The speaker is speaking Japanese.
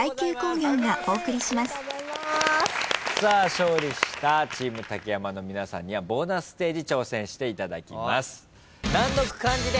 勝利したチーム竹山の皆さんにはボーナスステージ挑戦していただきます。